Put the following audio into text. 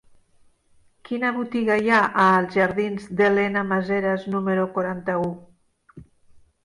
Quina botiga hi ha a la jardins d'Elena Maseras número quaranta-u?